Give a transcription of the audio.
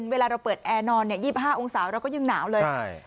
เวลาเราเปิดแอร์นอนเนี่ยยี่บห้าองศาเราก็ยังหนาวเลยใช่